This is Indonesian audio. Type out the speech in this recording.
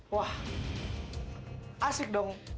wah asik dong